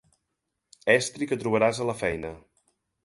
Estri que trobaràs a la feina.